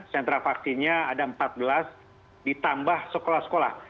sentra vaksinnya ada empat belas ditambah sekolah sekolah